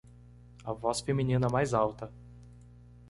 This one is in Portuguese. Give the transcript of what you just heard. A voz feminina mais alta